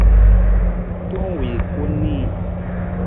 Tong wii ku nii.